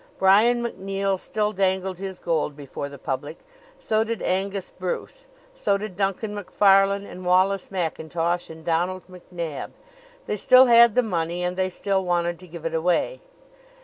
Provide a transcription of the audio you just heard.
Brian MacNeill still dangled his gold before the public; so did Angus Bruce; so did Duncan Macfarlane and Wallace Mackintosh and Donald MacNab. They still had the money and they still wanted to give it away.